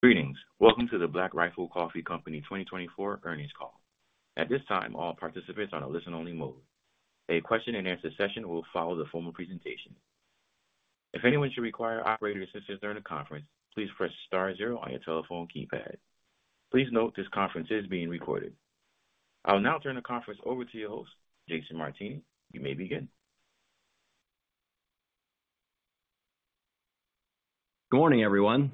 Greetings! Welcome to the Black Rifle Coffee Company 2024 Earnings Call. At this time, all participants are on a listen-only mode. A question-and-answer session will follow the formal presentation. If anyone should require operator assistance during the conference, please press star zero on your telephone keypad. Please note, this conference is being recorded. I'll now turn the conference over to your host, Jason Martini. You may begin. Good morning, everyone.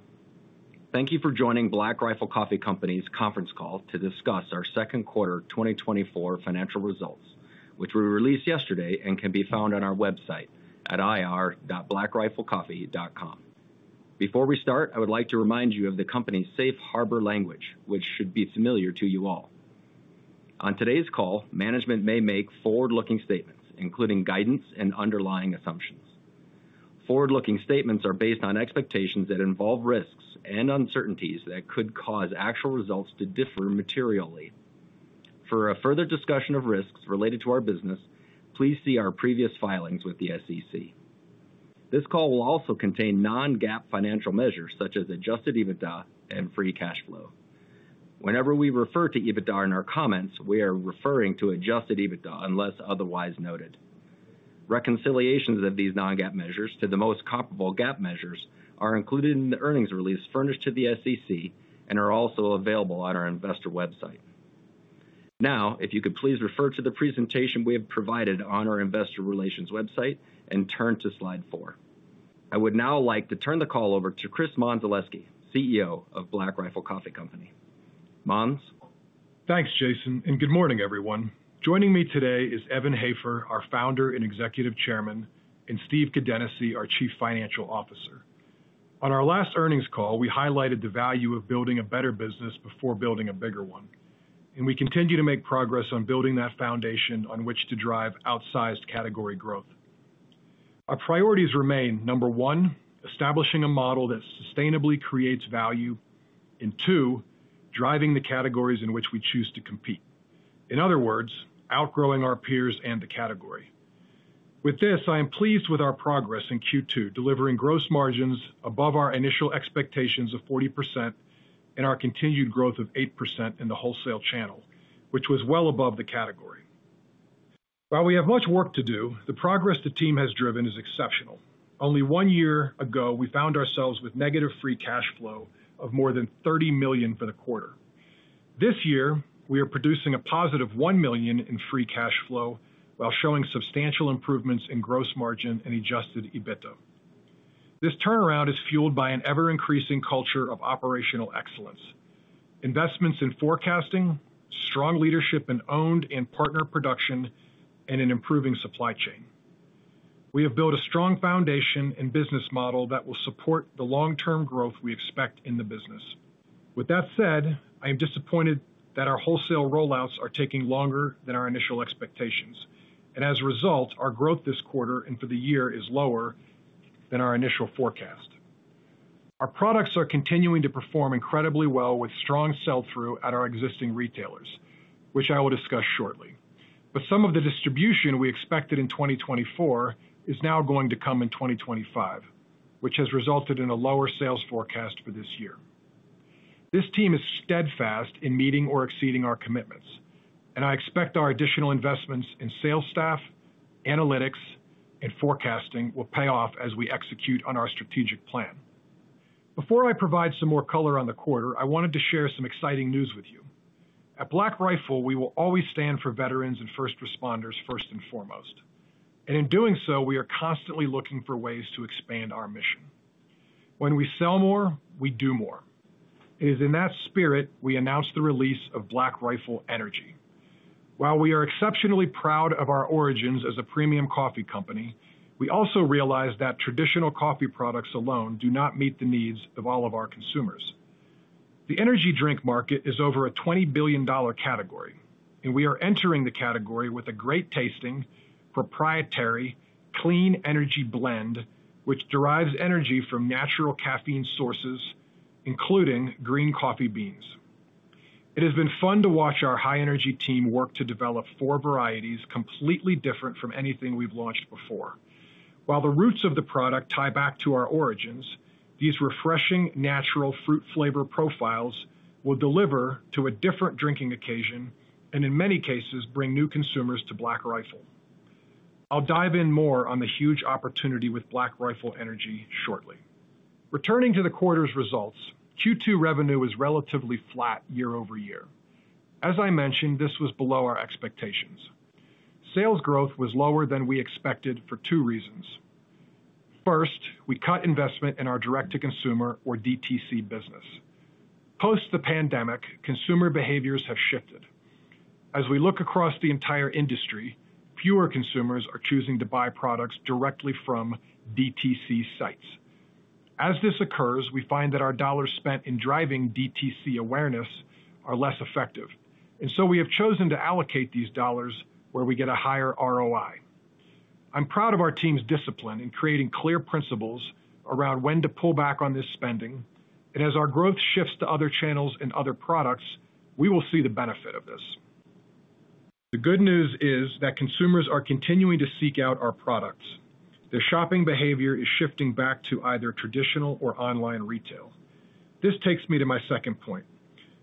Thank you for joining Black Rifle Coffee Company's Conference Call to discuss our Second Quarter 2024 Financial Results, which were released yesterday and can be found on our website at ir.blackriflecoffee.com. Before we start, I would like to remind you of the company's safe harbor language, which should be familiar to you all. On today's call, management may make forward-looking statements, including guidance and underlying assumptions. Forward-looking statements are based on expectations that involve risks and uncertainties that could cause actual results to differ materially. For a further discussion of risks related to our business, please see our previous filings with the SEC. This call will also contain non-GAAP financial measures, such as adjusted EBITDA and free cash flow. Whenever we refer to EBITDA in our comments, we are referring to adjusted EBITDA, unless otherwise noted. Reconciliations of these non-GAAP measures to the most comparable GAAP measures are included in the earnings release furnished to the SEC and are also available on our investor website. Now, if you could please refer to the presentation we have provided on our investor relations website and turn to slide 4. I would now like to turn the call over to Chris Mondzelewski, CEO of Black Rifle Coffee Company. Mons? Thanks, Jason, and good morning, everyone. Joining me today is Evan Hafer, our founder and Executive Chairman, and Steve Kadenacy, our Chief Financial Officer. On our last earnings call, we highlighted the value of building a better business before building a bigger one, and we continue to make progress on building that foundation on which to drive outsized category growth. Our priorities remain, number one, establishing a model that sustainably creates value, and two, driving the categories in which we choose to compete. In other words, outgrowing our peers and the category. With this, I am pleased with our progress in Q2, delivering gross margins above our initial expectations of 40% and our continued growth of 8% in the wholesale channel, which was well above the category. While we have much work to do, the progress the team has driven is exceptional. Only one year ago, we found ourselves with negative Free Cash Flow of more than $30 million for the quarter. This year, we are producing a positive $1 million in Free Cash Flow while showing substantial improvements in Gross Margin and Adjusted EBITDA. This turnaround is fueled by an ever-increasing culture of operational excellence, investments in forecasting, strong leadership in owned and partner production, and an improving supply chain. We have built a strong foundation and business model that will support the long-term growth we expect in the business. With that said, I am disappointed that our wholesale rollouts are taking longer than our initial expectations, and as a result, our growth this quarter and for the year is lower than our initial forecast. Our products are continuing to perform incredibly well with strong sell-through at our existing retailers, which I will discuss shortly. But some of the distribution we expected in 2024 is now going to come in 2025, which has resulted in a lower sales forecast for this year. This team is steadfast in meeting or exceeding our commitments, and I expect our additional investments in sales staff, analytics, and forecasting will pay off as we execute on our strategic plan. Before I provide some more color on the quarter, I wanted to share some exciting news with you. At Black Rifle, we will always stand for veterans and first responders first and foremost, and in doing so, we are constantly looking for ways to expand our mission. When we sell more, we do more. It is in that spirit we announce the release of Black Rifle Energy. While we are exceptionally proud of our origins as a premium coffee company, we also realize that traditional coffee products alone do not meet the needs of all of our consumers. The energy drink market is over a $20 billion category, and we are entering the category with a great-tasting, proprietary, clean energy blend, which derives energy from natural caffeine sources, including green coffee beans. It has been fun to watch our high-energy team work to develop four varieties, completely different from anything we've launched before. While the roots of the product tie back to our origins, these refreshing, natural fruit flavor profiles will deliver to a different drinking occasion and in many cases, bring new consumers to Black Rifle. I'll dive in more on the huge opportunity with Black Rifle Energy shortly. Returning to the quarter's results, Q2 revenue was relatively flat year-over-year. As I mentioned, this was below our expectations. Sales growth was lower than we expected for two reasons. First, we cut investment in our direct-to-consumer or DTC business. Post the pandemic, consumer behaviors have shifted. As we look across the entire industry, fewer consumers are choosing to buy products directly from DTC sites. As this occurs, we find that our dollars spent in driving DTC awareness are less effective, and so we have chosen to allocate these dollars where we get a higher ROI. I'm proud of our team's discipline in creating clear principles around when to pull back on this spending, and as our growth shifts to other channels and other products, we will see the benefit of this. The good news is that consumers are continuing to seek out our products. Their shopping behavior is shifting back to either traditional or online retail. This takes me to my second point.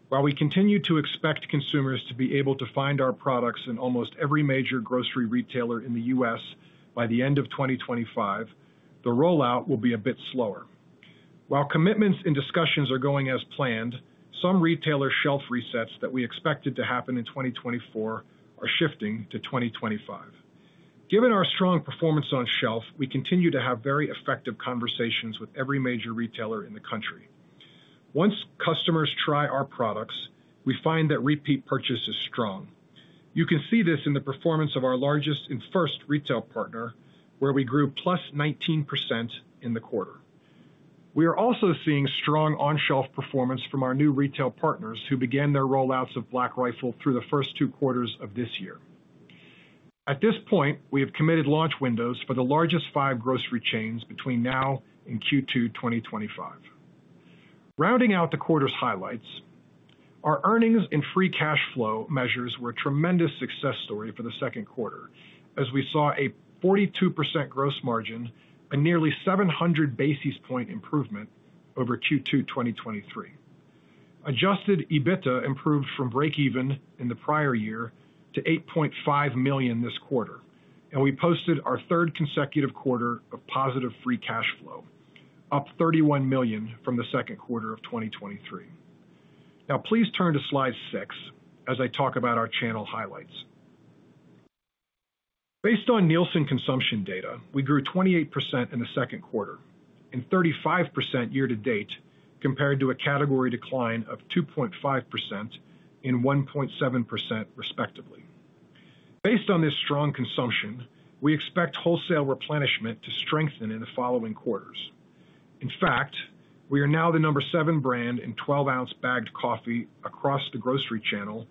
While we continue to expect consumers to be able to find our products in almost every major grocery retailer in the U.S. by the end of 2025, the rollout will be a bit slower. While commitments and discussions are going as planned, some retailer shelf resets that we expected to happen in 2024 are shifting to 2025. Given our strong performance on shelf, we continue to have very effective conversations with every major retailer in the country. Once customers try our products, we find that repeat purchase is strong. You can see this in the performance of our largest and first retail partner, where we grew +19% in the quarter. We are also seeing strong on-shelf performance from our new retail partners, who began their rollouts of Black Rifle through the first two quarters of this year. At this point, we have committed launch windows for the largest five grocery chains between now and Q2 2025. Rounding out the quarter's highlights, our earnings and free cash flow measures were a tremendous success story for the second quarter, as we saw a 42% gross margin, a nearly 700 basis point improvement over Q2 2023. Adjusted EBITDA improved from breakeven in the prior year to $8.5 million this quarter, and we posted our third consecutive quarter of positive free cash flow, up $31 million from the second quarter of 2023. Now please turn to slide 6 as I talk about our channel highlights. Based on Nielsen consumption data, we grew 28% in the second quarter and 35% year to date, compared to a category decline of 2.5% and 1.7% respectively. Based on this strong consumption, we expect wholesale replenishment to strengthen in the following quarters. In fact, we are now the number 7 brand in 12-ounce bagged coffee across the grocery channel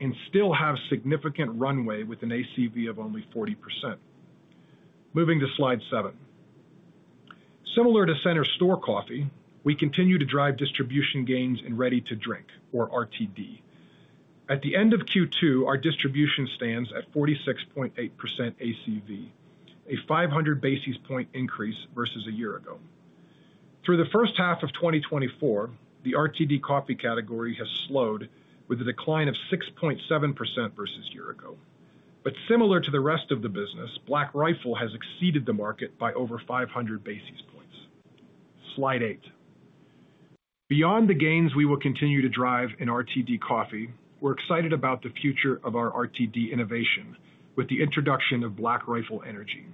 and still have significant runway with an ACV of only 40%. Moving to slide 7. Similar to center store coffee, we continue to drive distribution gains in ready-to-drink, or RTD. At the end of Q2, our distribution stands at 46.8% ACV, a 500 basis point increase versus a year ago. Through the first half of 2024, the RTD coffee category has slowed, with a decline of 6.7% versus year ago. But similar to the rest of the business, Black Rifle has exceeded the market by over 500 basis points. Slide 8. Beyond the gains we will continue to drive in RTD coffee, we're excited about the future of our RTD innovation with the introduction of Black Rifle Energy.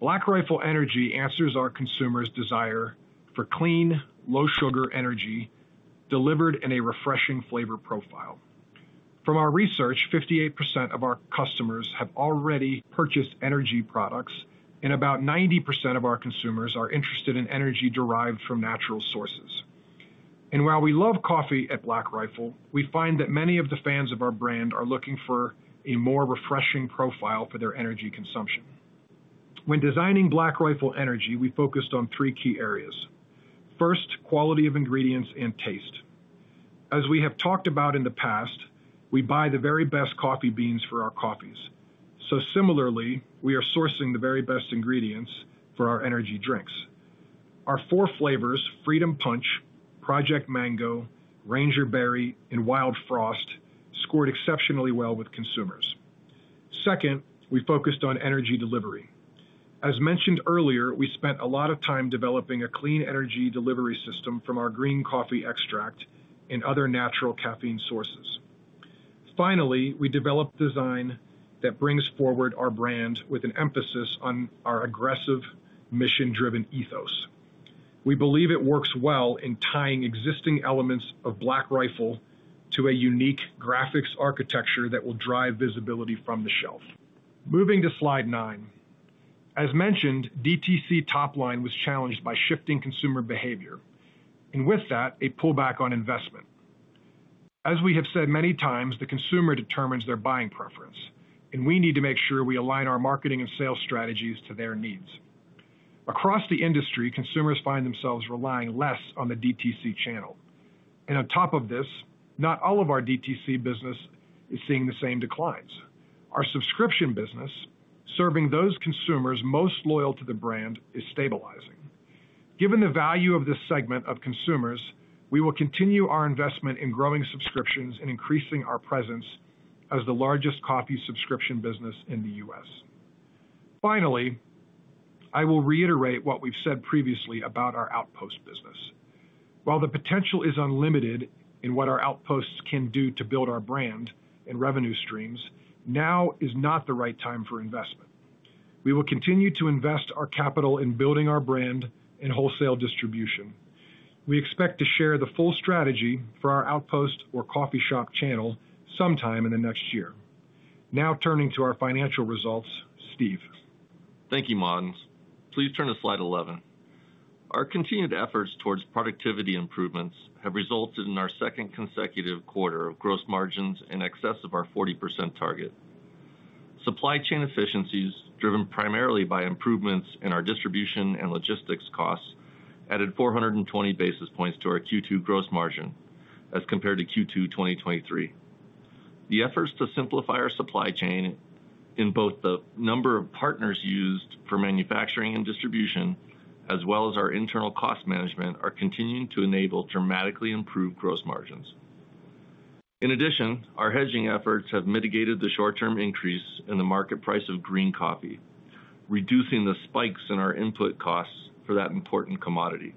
Black Rifle Energy answers our consumers' desire for clean, low-sugar energy delivered in a refreshing flavor profile. From our research, 58% of our customers have already purchased energy products, and about 90% of our consumers are interested in energy derived from natural sources. And while we love coffee at Black Rifle, we find that many of the fans of our brand are looking for a more refreshing profile for their energy consumption. When designing Black Rifle Energy, we focused on three key areas. First, quality of ingredients and taste. As we have talked about in the past, we buy the very best coffee beans for our coffees. So similarly, we are sourcing the very best ingredients for our energy drinks. Our four flavors, Freedom Punch, Project Mango, Ranger Berry, and Wild Frost, scored exceptionally well with consumers. Second, we focused on energy delivery. As mentioned earlier, we spent a lot of time developing a clean energy delivery system from our green coffee extract and other natural caffeine sources. Finally, we developed design that brings forward our brand with an emphasis on our aggressive, mission-driven ethos. We believe it works well in tying existing elements of Black Rifle to a unique graphics architecture that will drive visibility from the shelf. Moving to slide nine. As mentioned, DTC top line was challenged by shifting consumer behavior, and with that, a pullback on investment. As we have said many times, the consumer determines their buying preference, and we need to make sure we align our marketing and sales strategies to their needs. Across the industry, consumers find themselves relying less on the DTC channel, and on top of this, not all of our DTC business is seeing the same declines. Our subscription business, serving those consumers most loyal to the brand, is stabilizing. Given the value of this segment of consumers, we will continue our investment in growing subscriptions and increasing our presence as the largest coffee subscription business in the U.S. Finally, I will reiterate what we've said previously about our outpost business. While the potential is unlimited in what our outposts can do to build our brand and revenue streams, now is not the right time for investment. We will continue to invest our capital in building our brand and wholesale distribution. We expect to share the full strategy for our outpost or coffee shop channel sometime in the next year. Now turning to our financial results, Steve. Thank you, Martin. Please turn to slide 11. Our continued efforts towards productivity improvements have resulted in our second consecutive quarter of gross margins in excess of our 40% target. Supply chain efficiencies, driven primarily by improvements in our distribution and logistics costs, added 420 basis points to our Q2 gross margin as compared to Q2 2023. The efforts to simplify our supply chain in both the number of partners used for manufacturing and distribution, as well as our internal cost management, are continuing to enable dramatically improved gross margins. In addition, our hedging efforts have mitigated the short-term increase in the market price of green coffee, reducing the spikes in our input costs for that important commodity.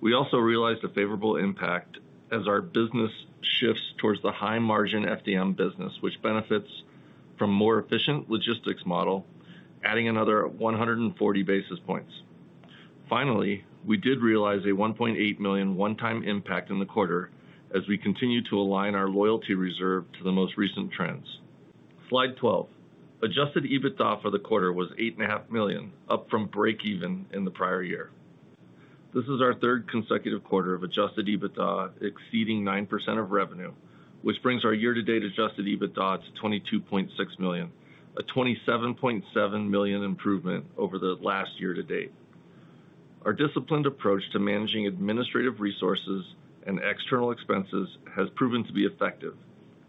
We also realized a favorable impact as our business shifts towards the high-margin FDM business, which benefits from more efficient logistics model, adding another 140 basis points. Finally, we did realize a $1.8 million one-time impact in the quarter as we continue to align our loyalty reserve to the most recent trends. Slide 12. Adjusted EBITDA for the quarter was $8.5 million, up from breakeven in the prior year. This is our third consecutive quarter of adjusted EBITDA exceeding 9% of revenue, which brings our year-to-date adjusted EBITDA to $22.6 million, a $27.7 million improvement over the last year-to-date. Our disciplined approach to managing administrative resources and external expenses has proven to be effective.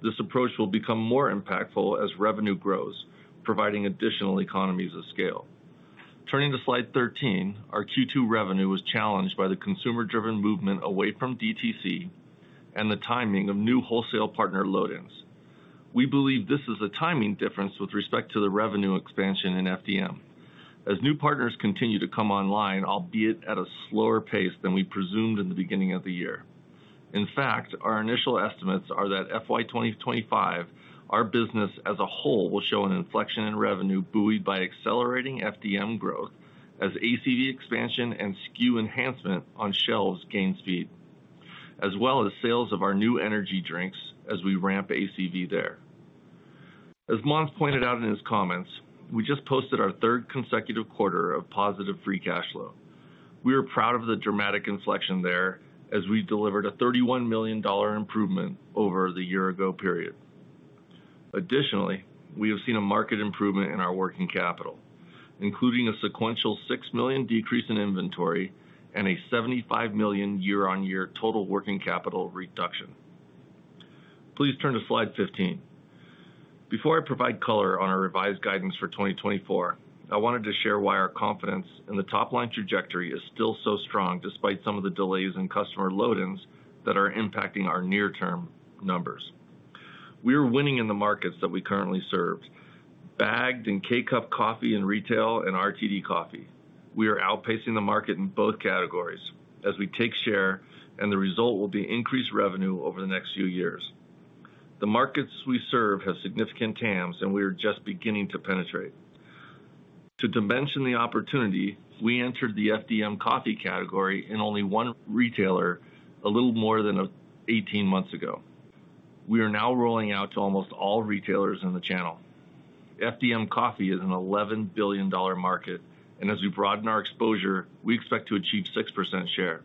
This approach will become more impactful as revenue grows, providing additional economies of scale. Turning to slide 13. Our Q2 revenue was challenged by the consumer-driven movement away from DTC and the timing of new wholesale partner load-ins. We believe this is a timing difference with respect to the revenue expansion in FDM. As new partners continue to come online, albeit at a slower pace than we presumed in the beginning of the year. In fact, our initial estimates are that FY 2025, our business as a whole will show an inflection in revenue, buoyed by accelerating FDM growth as ACV expansion and SKU enhancement on shelves gain speed, as well as sales of our new energy drinks as we ramp ACV there. As Mondzelewski pointed out in his comments, we just posted our third consecutive quarter of positive free cash flow. We are proud of the dramatic inflection there as we delivered a $31 million improvement over the year ago period. Additionally, we have seen a marked improvement in our working capital, including a sequential $6 million decrease in inventory and a $75 million year-on-year total working capital reduction. Please turn to slide 15. Before I provide color on our revised guidance for 2024, I wanted to share why our confidence in the top-line trajectory is still so strong, despite some of the delays in customer load-ins that are impacting our near-term numbers. We are winning in the markets that we currently serve, bagged and K-Cup coffee and retail and RTD coffee. We are outpacing the market in both categories as we take share, and the result will be increased revenue over the next few years. The markets we serve have significant TAMs, and we are just beginning to penetrate. To dimension the opportunity, we entered the FDM coffee category in only 1 retailer a little more than 18 months ago. We are now rolling out to almost all retailers in the channel. FDM coffee is an $11 billion market, and as we broaden our exposure, we expect to achieve 6% share.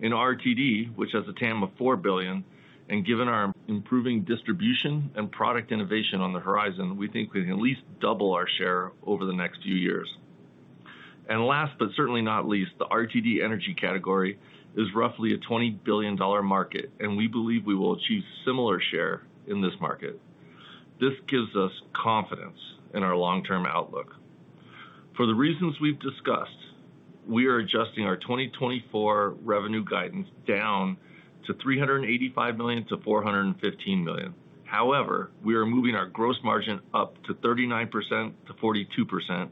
In RTD, which has a TAM of $4 billion, and given our improving distribution and product innovation on the horizon, we think we can at least double our share over the next few years. And last, but certainly not least, the RTD energy category is roughly a $20 billion market, and we believe we will achieve similar share in this market. This gives us confidence in our long-term outlook. For the reasons we've discussed, we are adjusting our 2024 revenue guidance down to $385 million-$415 million. However, we are moving our gross margin up to 39%-42%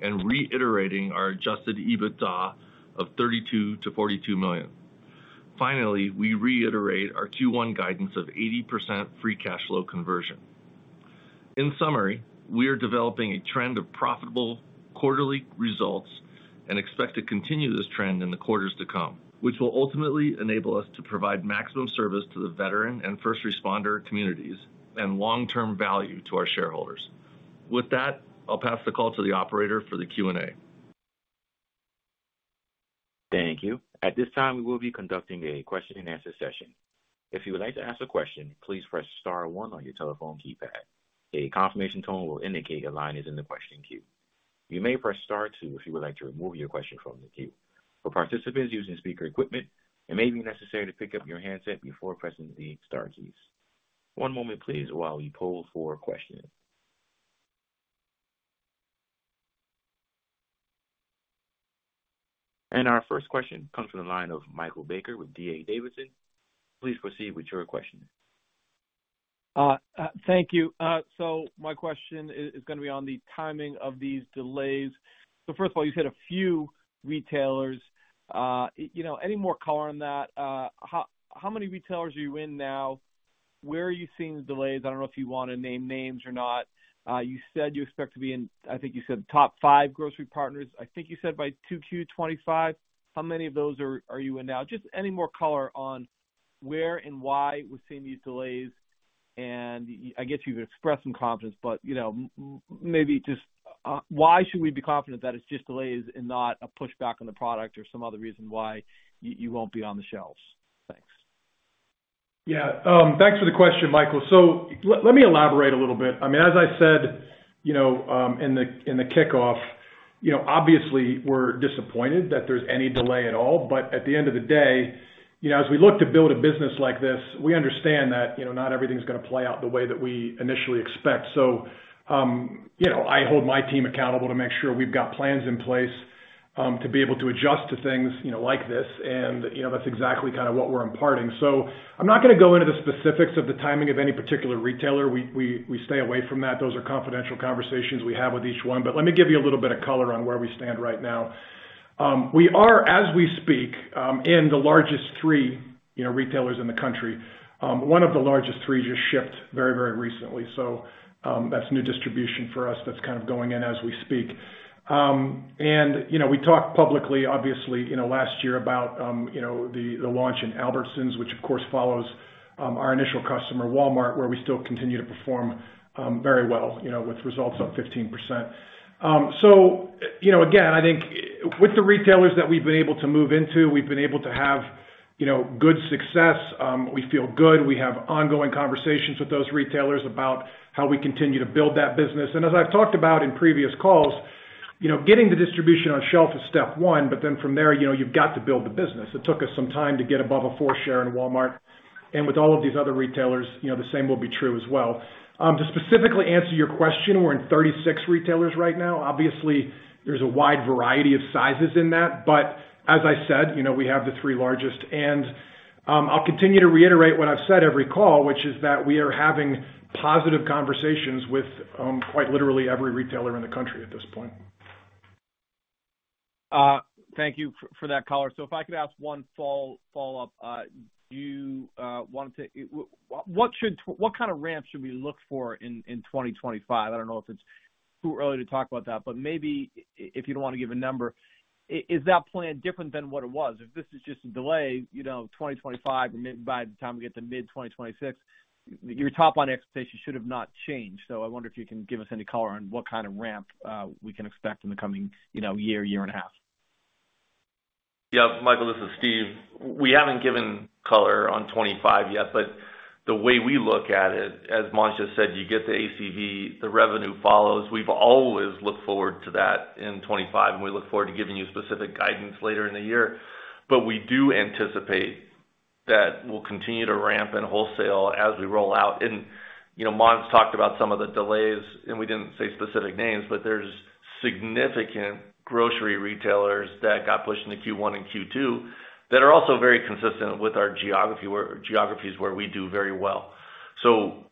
and reiterating our adjusted EBITDA of $32 million-$42 million. Finally, we reiterate our Q1 guidance of 80% free cash flow conversion. In summary, we are developing a trend of profitable quarterly results and expect to continue this trend in the quarters to come, which will ultimately enable us to provide maximum service to the veteran and first responder communities and long-term value to our shareholders. With that, I'll pass the call to the operator for the Q&A. Thank you. At this time, we will be conducting a question-and-answer session. If you would like to ask a question, please press star one on your telephone keypad. A confirmation tone will indicate your line is in the question queue. You may press star two if you would like to remove your question from the queue. For participants using speaker equipment, it may be necessary to pick up your handset before pressing the star keys. One moment, please, while we poll for questions. Our first question comes from the line of Michael Baker with D.A. Davidson. Please proceed with your question. Thank you. So my question is gonna be on the timing of these delays. So first of all, you've hit a few retailers. You know, any more color on that? How many retailers are you in now? Where are you seeing the delays? I don't know if you want to name names or not. You said you expect to be in, I think you said top five grocery partners, I think you said by Q2 2025. How many of those are you in now? Just any more color on where and why we're seeing these delays. And I guess you've expressed some confidence, but, you know, maybe just why should we be confident that it's just delays and not a pushback on the product or some other reason why you won't be on the shelves? Thanks. Yeah, thanks for the question, Michael. So let me elaborate a little bit. I mean, as I said, you know, in the kickoff, you know, obviously, we're disappointed that there's any delay at all, but at the end of the day, you know, as we look to build a business like this, we understand that, you know, not everything's gonna play out the way that we initially expect. So, you know, I hold my team accountable to make sure we've got plans in place, to be able to adjust to things, you know, like this. And, you know, that's exactly kind of what we're imparting. So I'm not gonna go into the specifics of the timing of any particular retailer. We stay away from that. Those are confidential conversations we have with each one. But let me give you a little bit of color on where we stand right now. We are, as we speak, in the largest three, you know, retailers in the country. One of the largest three just shipped very, very recently, so, that's new distribution for us. That's kind of going in as we speak. And, you know, we talked publicly, obviously, you know, last year about, you know, the launch in Albertsons, which of course follows, our initial customer, Walmart, where we still continue to perform, very well, you know, with results up 15%. So, you know, again, I think with the retailers that we've been able to move into, we've been able to have, you know, good success. We feel good. We have ongoing conversations with those retailers about how we continue to build that business. As I've talked about in previous calls, you know, getting the distribution on shelf is step one, but then from there, you know, you've got to build the business. It took us some time to get above a 4 share in Walmart, and with all of these other retailers, you know, the same will be true as well. To specifically answer your question, we're in 36 retailers right now. Obviously, there's a wide variety of sizes in that, but as I said, you know, we have the 3 largest. I'll continue to reiterate what I've said every call, which is that we are having positive conversations with quite literally every retailer in the country at this point. Thank you for that color. So if I could ask one follow-up. Do you want to what should what kind of ramp should we look for in 2025? I don't know if it's too early to talk about that, but maybe if you don't wanna give a number, is that plan different than what it was? If this is just a delay, you know, 2025, and maybe by the time we get to mid 2026, your top-line expectations should have not changed. So I wonder if you can give us any color on what kind of ramp we can expect in the coming, you know, year and a half. Yeah, Michael, this is Steve. We haven't given color on 2025 yet, but the way we look at it, as Mondz said, you get the ACV, the revenue follows. We've always looked forward to that in 2025, and we look forward to giving you specific guidance later in the year. But we do anticipate that we'll continue to ramp in wholesale as we roll out. And, you know, Mon's talked about some of the delays, and we didn't say specific names, but there's significant grocery retailers that got pushed into Q1 and Q2 that are also very consistent with our geographies, where we do very well. So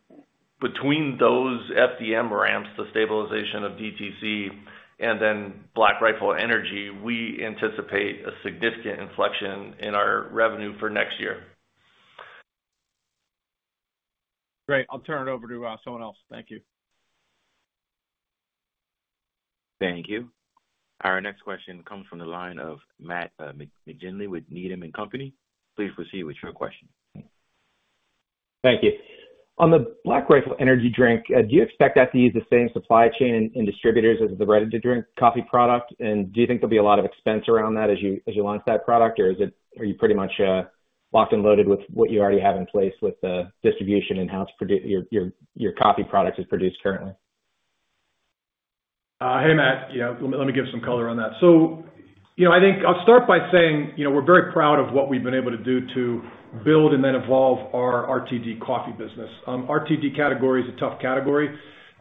between those FDM ramps, the stabilization of DTC, and then Black Rifle Energy, we anticipate a significant inflection in our revenue for next year. Great. I'll turn it over to someone else. Thank you. Thank you. Our next question comes from the line of Matt McGinley with Needham and Company. Please proceed with your question. Thank you. On the Black Rifle Energy Drink, do you expect that to use the same supply chain and distributors as the ready-to-drink coffee product? And do you think there'll be a lot of expense around that as you launch that product, or are you pretty much locked and loaded with what you already have in place with the distribution and how your coffee product is produced currently? Hey, Matt. Yeah, let me give some color on that. So, you know, I think I'll start by saying, you know, we're very proud of what we've been able to do to build and then evolve our RTD coffee business. RTD category is a tough category.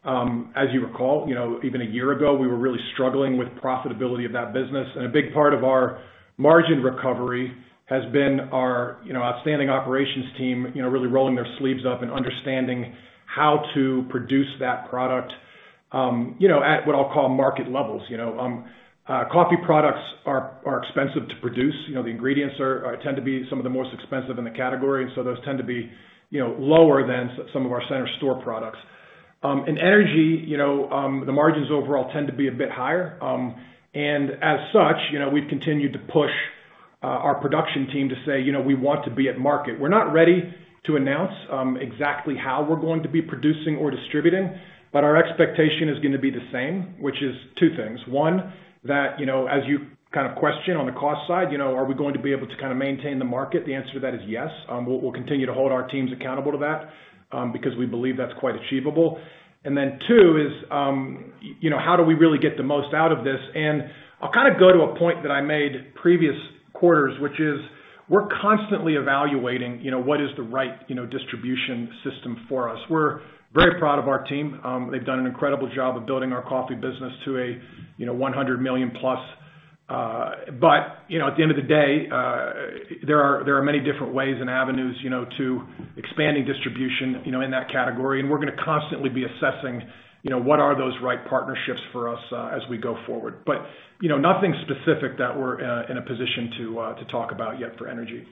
As you recall, you know, even a year ago, we were really struggling with profitability of that business, and a big part of our margin recovery has been our, you know, outstanding operations team, you know, really rolling their sleeves up and understanding how to produce that product, you know, at what I'll call market levels, you know? Coffee products are expensive to produce. You know, the ingredients are tend to be some of the most expensive in the category, so those tend to be, you know, lower than some of our center store products. In energy, you know, the margins overall tend to be a bit higher. And as such, you know, we've continued to push our production team to say: "You know, we want to be at market." We're not ready to announce exactly how we're going to be producing or distributing, but our expectation is gonna be the same, which is two things. One, that, you know, as you kind of question on the cost side, you know, are we going to be able to kind of maintain the market? The answer to that is yes. We'll continue to hold our teams accountable to that, because we believe that's quite achievable. And then two is, you know, how do we really get the most out of this? And I'll kind of go to a point that I made previous quarters, which is, we're constantly evaluating, you know, what is the right, you know, distribution system for us. We're very proud of our team. They've done an incredible job of building our coffee business to a, you know, 100 million-plus, but, you know, at the end of the day, there are many different ways and avenues, you know, to expanding distribution, you know, in that category, and we're gonna constantly be assessing, you know, what are those right partnerships for us, as we go forward. But, you know, nothing specific that we're in a position to talk about yet for energy.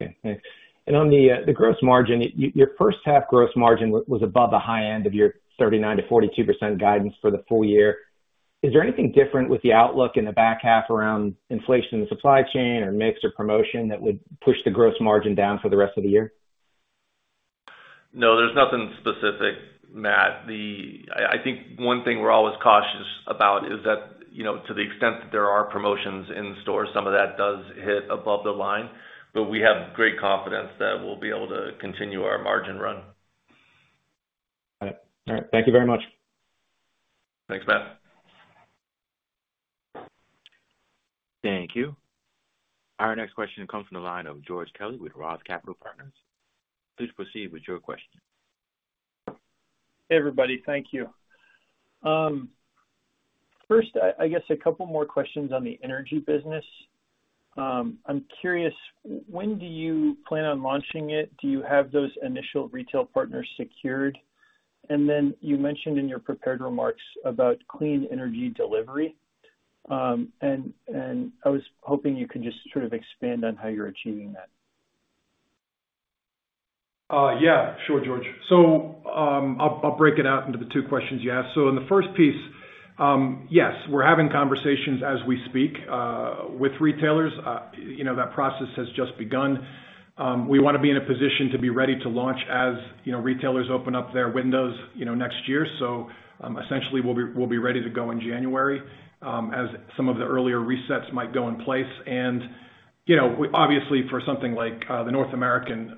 Okay, thanks. And on the gross margin, your first half gross margin was above the high end of your 39%-42% guidance for the full year. Is there anything different with the outlook in the back half around inflation in the supply chain, or mix, or promotion that would push the gross margin down for the rest of the year? No, there's nothing specific, Matt. The, I think one thing we're always cautious about is that, you know, to the extent that there are promotions in store, some of that does hit above the line, but we have great confidence that we'll be able to continue our margin run. All right. Thank you very much. Thanks, Matt. Thank you. Our next question comes from the line of George Kelly with Roth Capital Partners. Please proceed with your question. Hey, everybody. Thank you. First, I guess a couple more questions on the energy business. I'm curious, when do you plan on launching it? Do you have those initial retail partners secured? And then you mentioned in your prepared remarks about clean energy delivery, and I was hoping you could just sort of expand on how you're achieving that. Yeah, sure, George. So, I'll break it out into the two questions you asked. So in the first piece, yes, we're having conversations as we speak with retailers. You know, that process has just begun. We want to be in a position to be ready to launch as, you know, retailers open up their windows, you know, next year. So, essentially, we'll be ready to go in January as some of the earlier resets might go in place. And, you know, we obviously, for something like the North American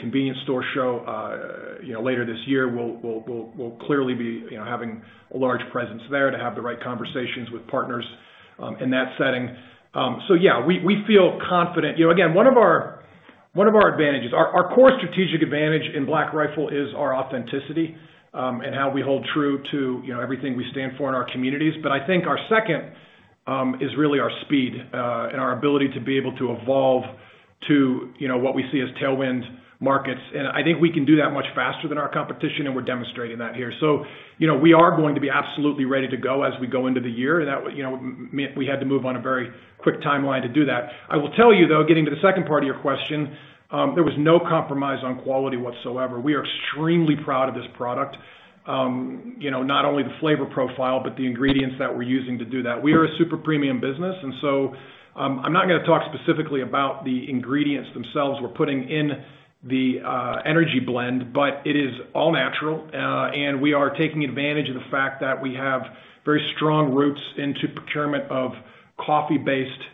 Convenience Store Show, you know, later this year, we'll clearly be, you know, having a large presence there to have the right conversations with partners in that setting. So yeah, we feel confident. You know, again, one of our advantages. Our core strategic advantage in Black Rifle is our authenticity, and how we hold true to, you know, everything we stand for in our communities. But I think our second is really our speed, and our ability to be able to evolve to, you know, what we see as tailwind markets. And I think we can do that much faster than our competition, and we're demonstrating that here. So, you know, we are going to be absolutely ready to go as we go into the year, and that, you know, we had to move on a very quick timeline to do that. I will tell you, though, getting to the second part of your question, there was no compromise on quality whatsoever. We are extremely proud of this product, you know, not only the flavor profile, but the ingredients that we're using to do that. We are a super premium business, and so, I'm not gonna talk specifically about the ingredients themselves we're putting in the energy blend, but it is all natural. And we are taking advantage of the fact that we have very strong roots into procurement of coffee-based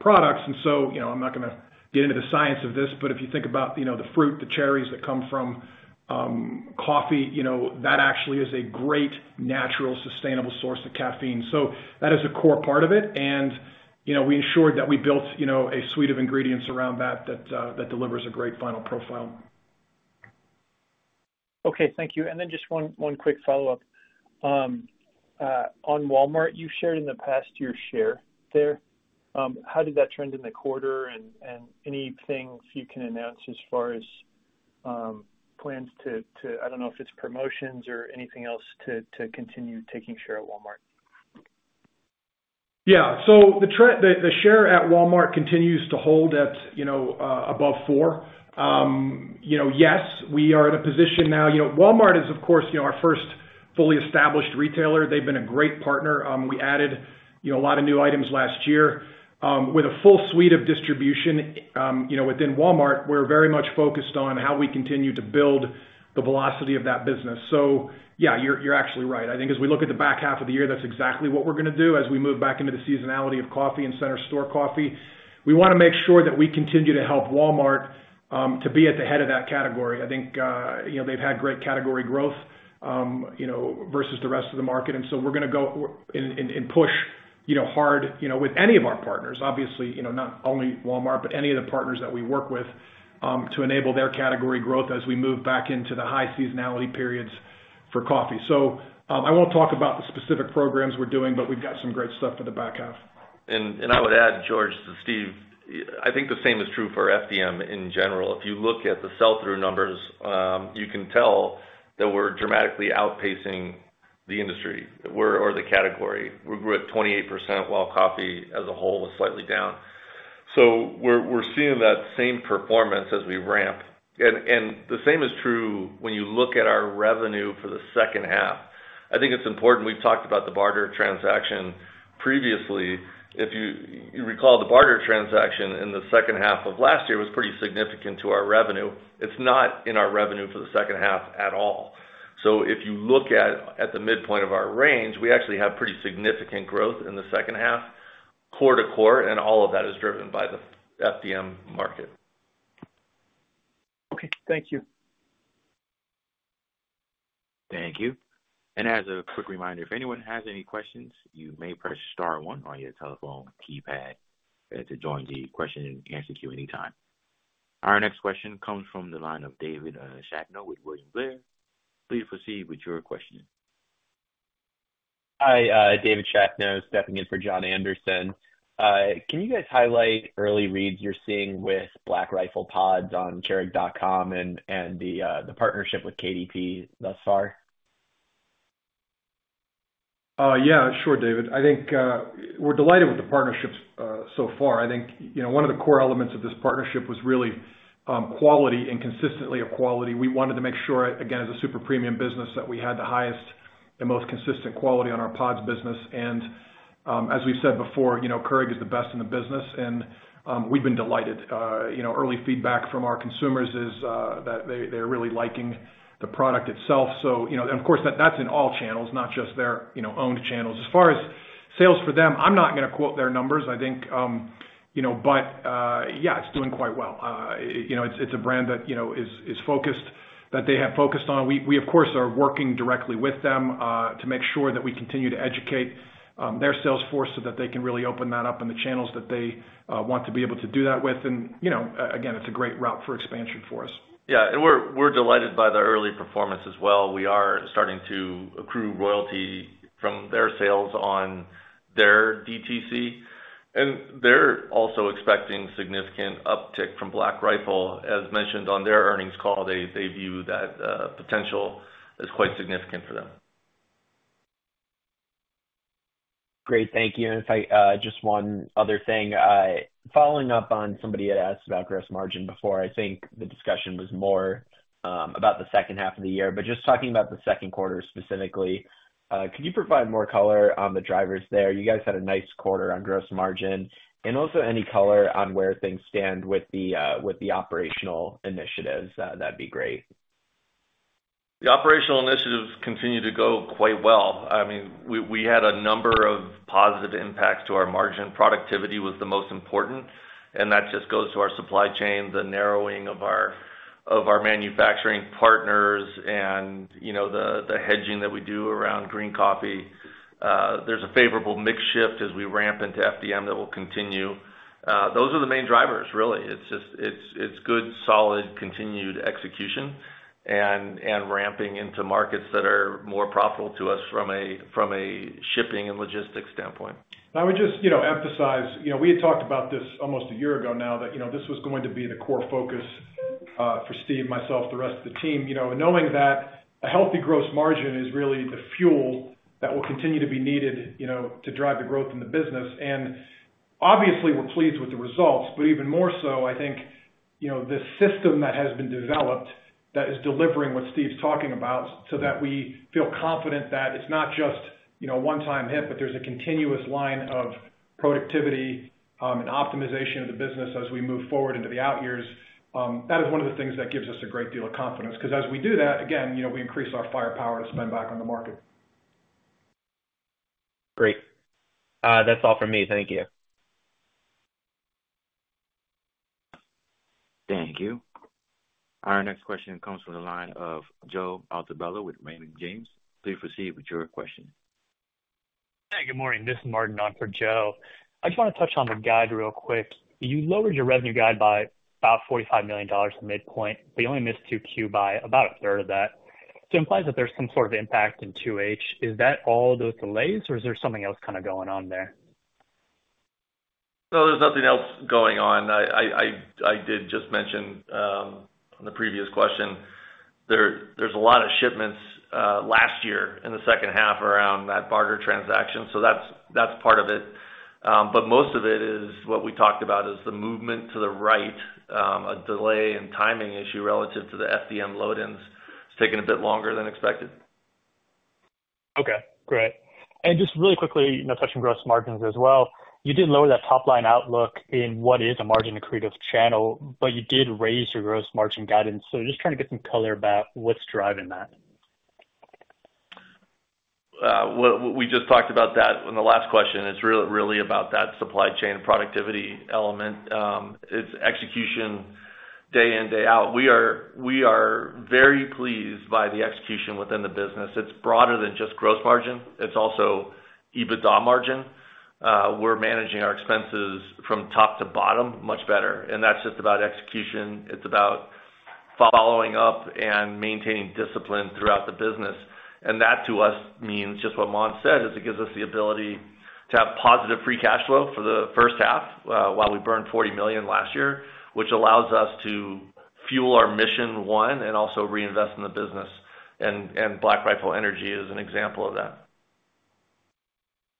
products. And so, you know, I'm not gonna get into the science of this, but if you think about, you know, the fruit, the cherries that come from coffee, you know, that actually is a great natural, sustainable source of caffeine. So that is a core part of it, and, you know, we ensured that we built, you know, a suite of ingredients around that, that delivers a great final profile. Okay. Thank you. And then just one quick follow-up. On Walmart, you've shared in the past your share there. How did that trend in the quarter, and anything you can announce as far as plans to, I don't know if it's promotions or anything else, to continue taking share at Walmart? Yeah. So the trend—the share at Walmart continues to hold at, you know, above 4. You know, yes, we are in a position now. You know, Walmart is, of course, you know, our first fully established retailer. They've been a great partner. We added, you know, a lot of new items last year. With a full suite of distribution, you know, within Walmart, we're very much focused on how we continue to build the velocity of that business. So yeah, you're actually right. I think as we look at the back half of the year, that's exactly what we're gonna do as we move back into the seasonality of coffee and center store coffee. We wanna make sure that we continue to help Walmart to be at the head of that category. I think, you know, they've had great category growth, you know, versus the rest of the market. So we're gonna go and push, you know, hard, you know, with any of our partners, obviously, you know, not only Walmart, but any of the partners that we work with, to enable their category growth as we move back into the high seasonality periods for coffee. So, I won't talk about the specific programs we're doing, but we've got some great stuff for the back half. I would add, George, to Steve, I think the same is true for FDM in general. If you look at the sell-through numbers, you can tell that we're dramatically outpacing the industry or the category. We grew at 28%, while coffee as a whole was slightly down. So we're seeing that same performance as we ramp. And the same is true when you look at our revenue for the second half. I think it's important; we've talked about the barter transaction previously. If you recall, the barter transaction in the second half of last year was pretty significant to our revenue. It's not in our revenue for the second half at all. If you look at the midpoint of our range, we actually have pretty significant growth in the second half, core to core, and all of that is driven by the FDM market. Okay. Thank you. Thank you. As a quick reminder, if anyone has any questions, you may press star one on your telephone keypad to join the question and answer queue anytime. Our next question comes from the line of David Shatnow with Rosenblatt. Please proceed with your question. Hi, David Shatnow, stepping in for John Anderson. Can you guys highlight early reads you're seeing with Black Rifle pods on Keurig.com and the partnership with KDP thus far? Yeah, sure, David. I think we're delighted with the partnerships so far. I think, you know, one of the core elements of this partnership was really quality and consistency of quality. We wanted to make sure, again, as a super premium business, that we had the highest and most consistent quality on our pods business. And, as we've said before, you know, Keurig is the best in the business, and we've been delighted. You know, early feedback from our consumers is that they, they're really liking the product itself. So, you know, and of course, that's in all channels, not just their, you know, owned channels. As far as sales for them, I'm not gonna quote their numbers. I think, you know, but yeah, it's doing quite well. You know, it's a brand that you know is focused, that they have focused on. We of course are working directly with them to make sure that we continue to educate their sales force so that they can really open that up in the channels that they want to be able to do that with. You know, again, it's a great route for expansion for us. Yeah, and we're delighted by the early performance as well. We are starting to accrue royalty from their sales on their DTC, and they're also expecting significant uptick from Black Rifle. As mentioned on their earnings call, they view that potential as quite significant for them. Great. Thank you. And if I just one other thing. Following up on somebody had asked about gross margin before, I think the discussion was more about the second half of the year, but just talking about the second quarter specifically, could you provide more color on the drivers there? You guys had a nice quarter on gross margin, and also any color on where things stand with the with the operational initiatives? That'd be great. The operational initiatives continue to go quite well. I mean, we had a number of positive impacts to our margin. Productivity was the most important, and that just goes to our supply chain, the narrowing of our manufacturing partners and, you know, the hedging that we do around green coffee. There's a favorable mix shift as we ramp into FDM that will continue. Those are the main drivers, really. It's just good, solid, continued execution and ramping into markets that are more profitable to us from a shipping and logistics standpoint. And I would just, you know, emphasize, you know, we had talked about this almost a year ago now, that, you know, this was going to be the core focus, for Steve, myself, the rest of the team, you know, knowing that a healthy gross margin is really the fuel that will continue to be needed, you know, to drive the growth in the business. And obviously, we're pleased with the results, but even more so, I think, you know, the system that has been developed, that is delivering what Steve's talking about, so that we feel confident that it's not just, you know, a one-time hit, but there's a continuous line of productivity, and optimization of the business as we move forward into the out years. That is one of the things that gives us a great deal of confidence, 'cause as we do that, again, you know, we increase our firepower to spend back on the market. Great. That's all for me. Thank you. Thank you. Our next question comes from the line of Joe Altobello with Raymond James. Please proceed with your question. Hi, good morning. This is Martin on for Joe. I just wanna touch on the guide real quick. You lowered your revenue guide by about $45 million to midpoint, but you only missed Q2 by about a third of that. So it implies that there's some sort of impact in H2. Is that all those delays, or is there something else kind of going on there? No, there's nothing else going on. I did just mention on the previous question, there's a lot of shipments last year in the second half around that barter transaction, so that's part of it. But most of it is what we talked about, is the movement to the right, a delay and timing issue relative to the FDM load-ins. It's taking a bit longer than expected. Okay, great. And just really quickly, you know, touching gross margins as well. You did lower that top-line outlook in what is a margin-accretive channel, but you did raise your gross margin guidance. So just trying to get some color about what's driving that. Well, we just talked about that in the last question. It's really about that supply chain and productivity element. It's execution day in, day out. We are very pleased by the execution within the business. It's broader than just gross margin. It's also EBITDA margin. We're managing our expenses from top to bottom much better, and that's just about execution. It's about following up and maintaining discipline throughout the business. And that, to us, means just what Mont said, is it gives us the ability to have positive free cash flow for the first half, while we burned $40 million last year, which allows us to fuel our mission one, and also reinvest in the business. And Black Rifle Energy is an example of that.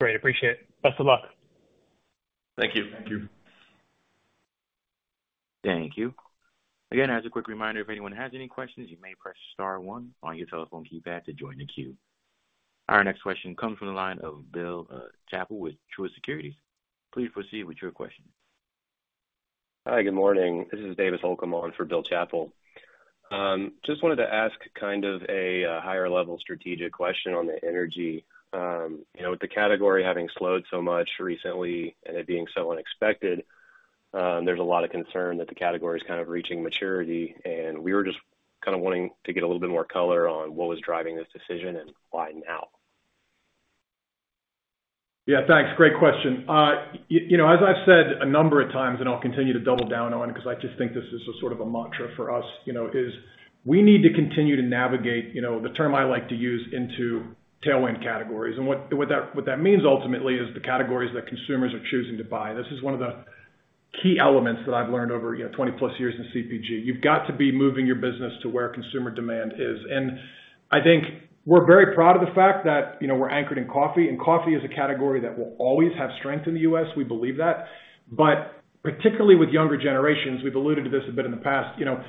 Great. Appreciate it. Best of luck. Thank you. Thank you. Thank you. Again, as a quick reminder, if anyone has any questions, you may press star one on your telephone keypad to join the queue. Our next question comes from the line of Bill Chappell with Truist Securities. Please proceed with your question. Hi, good morning. This is Davis Holcomb on for Bill Chappell. Just wanted to ask kind of a higher-level strategic question on the energy. You know, with the category having slowed so much recently and it being so unexpected, there's a lot of concern that the category is kind of reaching maturity, and we were just kind of wanting to get a little bit more color on what was driving this decision and why now? Yeah, thanks. Great question. You know, as I've said a number of times, and I'll continue to double down on it because I just think this is a sort of a mantra for us, you know, is we need to continue to navigate, you know, the term I like to use, into tailwind categories. And what that means ultimately is the categories that consumers are choosing to buy. This is one of the key elements that I've learned over, you know, 20+ years in CPG. You've got to be moving your business to where consumer demand is. And I think we're very proud of the fact that, you know, we're anchored in coffee, and coffee is a category that will always have strength in the U.S., we believe that. But particularly with younger generations, we've alluded to this a bit in the past, you know,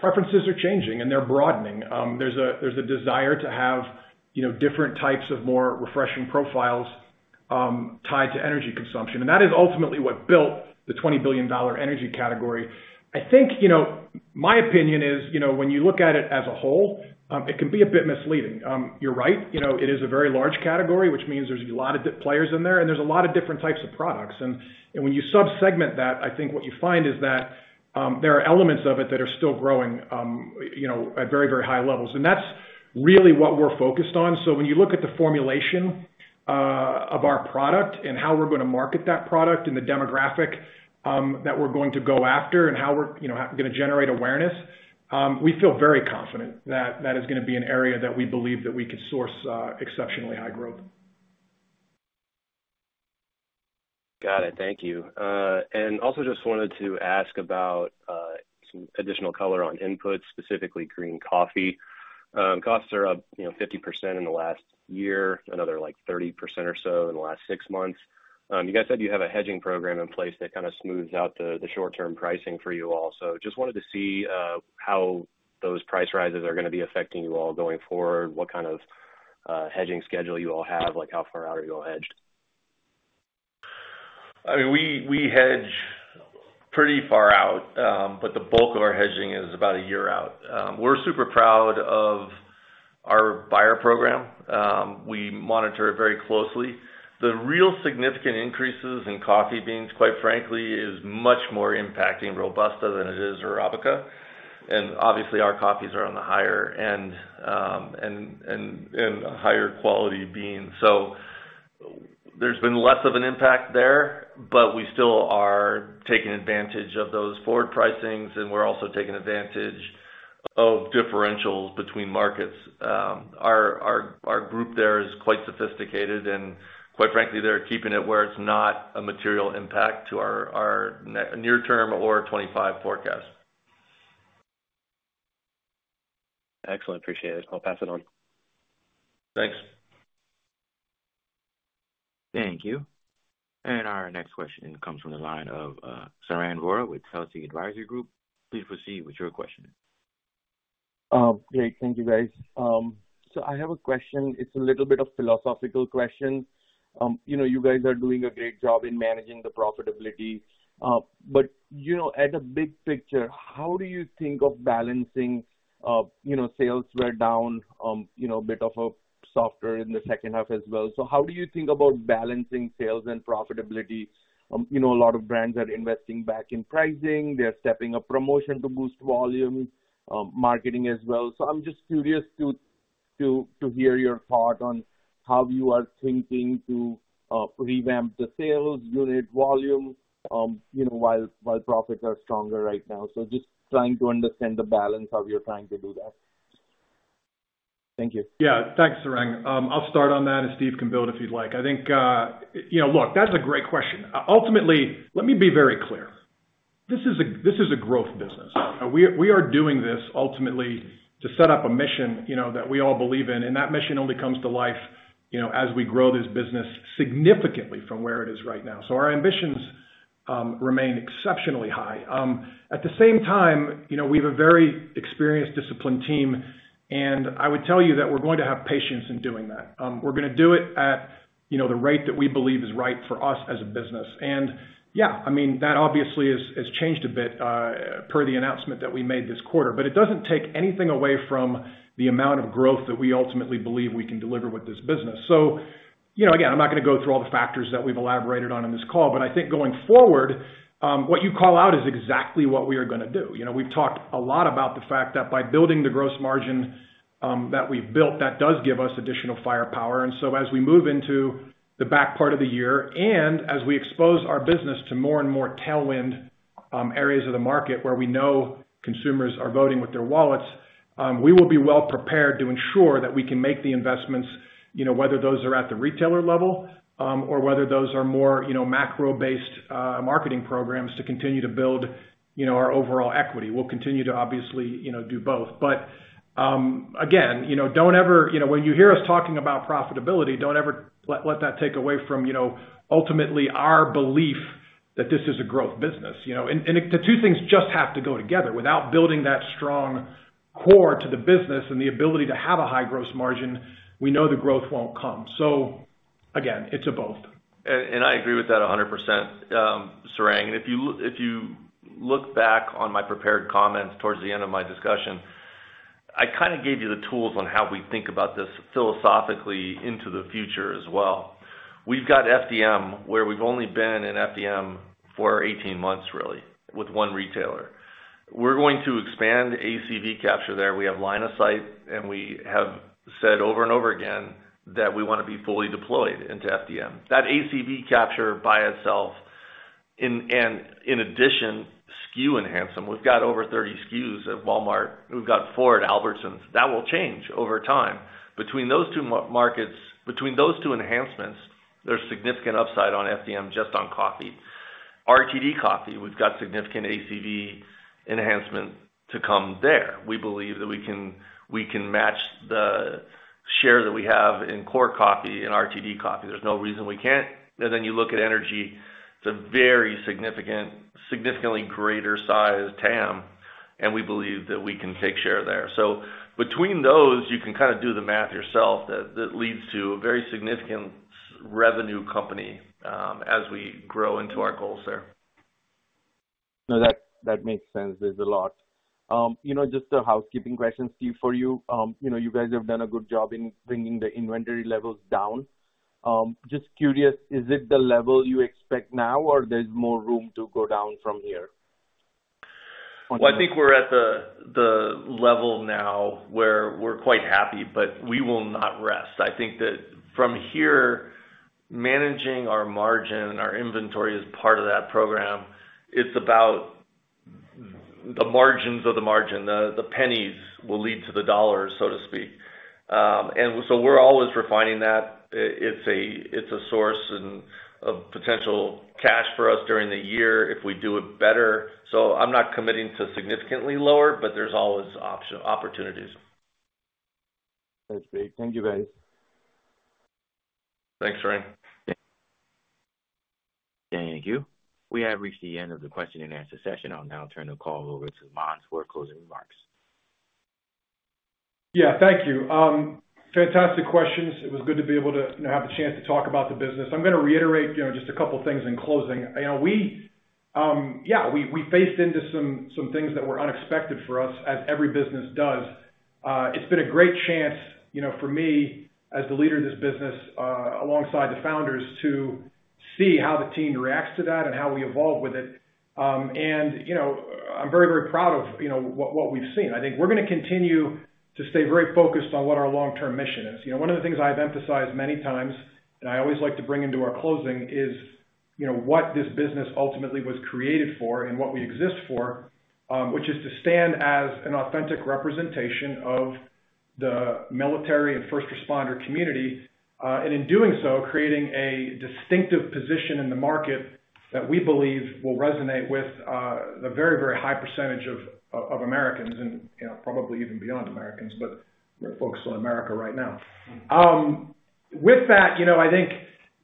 preferences are changing, and they're broadening. There's a desire to have, you know, different types of more refreshing profiles, tied to energy consumption, and that is ultimately what built the $20 billion energy category. I think, you know, my opinion is, you know, when you look at it as a whole, it can be a bit misleading. You're right, you know, it is a very large category, which means there's a lot of different players in there, and there's a lot of different types of products. And when you sub-segment that, I think what you find is that, there are elements of it that are still growing, you know, at very, very high levels, and that's really what we're focused on. So when you look at the formulation of our product and how we're gonna market that product and the demographic that we're going to go after and how we're, you know, gonna generate awareness, we feel very confident that that is gonna be an area that we believe that we could source exceptionally high growth. Got it. Thank you. And also just wanted to ask about some additional color on inputs, specifically green coffee. Costs are up, you know, 50% in the last year, another like 30% or so in the last six months. You guys said you have a hedging program in place that kind of smooths out the short-term pricing for you all. So just wanted to see how those price rises are gonna be affecting you all going forward? What kind of hedging schedule you all have? Like, how far out are you all hedged? I mean, we hedge pretty far out, but the bulk of our hedging is about a year out. We're super proud of our buyer program. We monitor it very closely. The real significant increases in coffee beans, quite frankly, is much more impacting Robusta than it is Arabica. And obviously, our coffees are on the higher end, and a higher quality bean. So there's been less of an impact there, but we still are taking advantage of those forward pricings, and we're also taking advantage of differentials between markets. Our group there is quite sophisticated and, quite frankly, they're keeping it where it's not a material impact to our near term or 25 forecast. Excellent. Appreciate it. I'll pass it on. Thanks. Thank you. Our next question comes from the line of Sarang Vora with Telsey Advisory Group. Please proceed with your question. Great. Thank you, guys. So I have a question. It's a little bit of a philosophical question. You know, you guys are doing a great job in managing the profitability, but, you know, at a big picture, how do you think of balancing, you know, sales were down, you know, a bit of a softer in the second half as well. So how do you think about balancing sales and profitability? You know, a lot of brands are investing back in pricing. They're stepping up promotion to boost volume, marketing as well. So I'm just curious to hear your thought on how you are thinking to revamp the sales unit volume, you know, while profits are stronger right now. So just trying to understand the balance of how you're trying to do that. Thank you. Yeah. Thanks, Sarang. I'll start on that, and Steve can build if you'd like. I think, you know, look, that's a great question. Ultimately, let me be very clear. This is a, this is a growth business. We, we are doing this ultimately to set up a mission, you know, that we all believe in, and that mission only comes to life, you know, as we grow this business significantly from where it is right now. So our ambitions remain exceptionally high. At the same time, you know, we have a very experienced, disciplined team, and I would tell you that we're going to have patience in doing that. We're gonna do it at, you know, the rate that we believe is right for us as a business. Yeah, I mean, that obviously has changed a bit per the announcement that we made this quarter, but it doesn't take anything away from the amount of growth that we ultimately believe we can deliver with this business. So, you know, again, I'm not gonna go through all the factors that we've elaborated on in this call, but I think going forward, what you call out is exactly what we are gonna do. You know, we've talked a lot about the fact that by building the gross margin that we've built, that does give us additional firepower. As we move into the back part of the year and as we expose our business to more and more tailwind areas of the market where we know consumers are voting with their wallets, we will be well prepared to ensure that we can make the investments, you know, whether those are at the retailer level or whether those are more, you know, macro-based marketing programs to continue to build, you know, our overall equity. We'll continue to obviously, you know, do both. But, again, you know, don't ever, you know, when you hear us talking about profitability, don't ever let that take away from, you know, ultimately our belief that this is a growth business, you know? And the two things just have to go together. Without building that strong core to the business and the ability to have a high gross margin, we know the growth won't come. So again, it's a both. I agree with that 100%, Sarang. And if you look back on my prepared comments towards the end of my discussion, I kind of gave you the tools on how we think about this philosophically into the future as well. We've got FDM, where we've only been in FDM for 18 months, really, with one retailer. We're going to expand ACV capture there. We have line of sight, and we have said over and over again that we want to be fully deployed into FDM. That ACV capture by itself, and in addition, SKU enhancement. We've got over 30 SKUs at Walmart. We've got 4 at Albertsons. That will change over time. Between those two markets, between those two enhancements, there's significant upside on FDM, just on coffee. RTD coffee, we've got significant ACV enhancement to come there. We believe that we can, we can match the share that we have in core coffee and RTD coffee. There's no reason we can't. And then you look at energy, it's a very significantly greater size TAM... and we believe that we can take share there. So between those, you can kind of do the math yourself, that leads to a very significant revenue company, as we grow into our goals there. No, that, that makes sense. There's a lot. You know, just a housekeeping question, Steve, for you. You know, you guys have done a good job in bringing the inventory levels down. Just curious, is it the level you expect now, or there's more room to go down from here? Well, I think we're at the level now where we're quite happy, but we will not rest. I think that from here, managing our margin, our inventory, is part of that program. It's about the margins of the margin. The pennies will lead to the dollars, so to speak. And so we're always refining that. It's a source of potential cash for us during the year if we do it better. So I'm not committing to significantly lower, but there's always opportunities. That's great. Thank you, guys. Thanks, Ryan. Thank you. We have reached the end of the question and answer session. I'll now turn the call over to Mondz for closing remarks. Yeah, thank you. Fantastic questions. It was good to be able to have the chance to talk about the business. I'm gonna reiterate, you know, just a couple things in closing. You know, we faced into some things that were unexpected for us, as every business does. It's been a great chance, you know, for me, as the leader of this business, alongside the founders, to see how the team reacts to that and how we evolve with it. And, you know, I'm very, very proud of, you know, what we've seen. I think we're gonna continue to stay very focused on what our long-term mission is. You know, one of the things I've emphasized many times, and I always like to bring into our closing is, you know, what this business ultimately was created for and what we exist for, which is to stand as an authentic representation of the military and first responder community. And in doing so, creating a distinctive position in the market that we believe will resonate with, the very, very high percentage of, of Americans and, you know, probably even beyond Americans, but we're focused on America right now. With that, you know, I think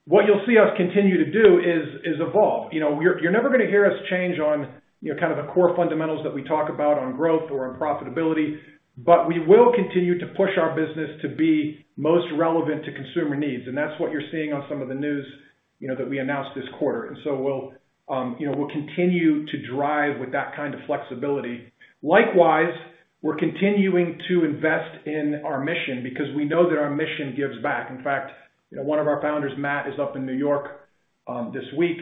what you'll see us continue to do is, is evolve. You know, you're never gonna hear us change on, you know, kind of the core fundamentals that we talk about on growth or on profitability, but we will continue to push our business to be most relevant to consumer needs, and that's what you're seeing on some of the news, you know, that we announced this quarter. So we'll, you know, we'll continue to drive with that kind of flexibility. Likewise, we're continuing to invest in our mission because we know that our mission gives back. In fact, you know, one of our founders, Matt, is up in New York this week.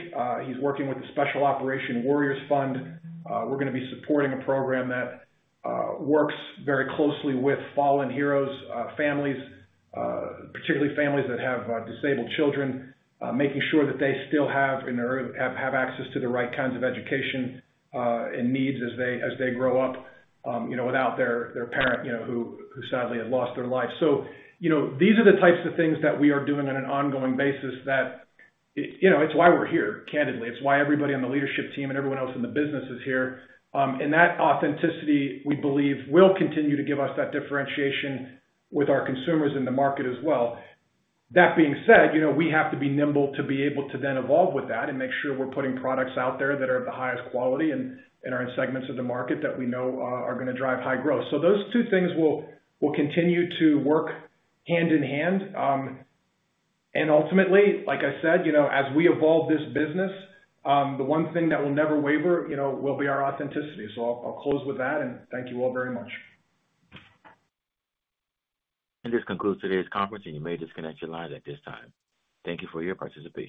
He's working with the Special Operation Warriors Fund. We're gonna be supporting a program that works very closely with fallen heroes' families, particularly families that have disabled children, making sure that they still have access to the right kinds of education and needs as they grow up, you know, without their parent, you know, who sadly have lost their life. So, you know, these are the types of things that we are doing on an ongoing basis that, you know, it's why we're here, candidly. It's why everybody on the leadership team and everyone else in the business is here. And that authenticity, we believe, will continue to give us that differentiation with our consumers in the market as well. That being said, you know, we have to be nimble to be able to then evolve with that and make sure we're putting products out there that are of the highest quality and are in segments of the market that we know are gonna drive high growth. So those two things will continue to work hand in hand. And ultimately, like I said, you know, as we evolve this business, the one thing that will never waver, you know, will be our authenticity. So I'll close with that, and thank you all very much. This concludes today's conference, and you may disconnect your lines at this time. Thank you for your participation.